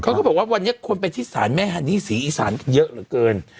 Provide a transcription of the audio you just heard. ก็บอกว่าวันนี้คนไปที่ศาลแม่ฮันนี่ศรีอีสานเยอะเหลือเกิน